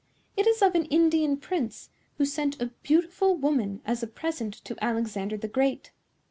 It is of an Indian prince, who sent a beautiful woman as a present to Alexander the Great.